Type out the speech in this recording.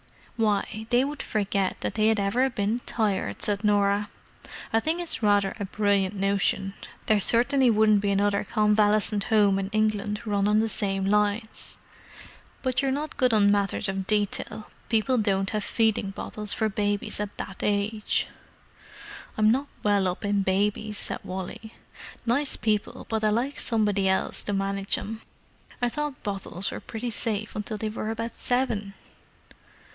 "Why, they would forget that they had ever been tired!" said Norah. "I think it's rather a brilliant notion—there certainly wouldn't be another convalescent home in England run on the same lines. But you're not good on matters of detail—people don't have feeding bottles for babies of that age." "I'm not well up in babies," said Wally. "Nice people, but I like somebody else to manage 'em. I thought bottles were pretty safe until they were about seven!"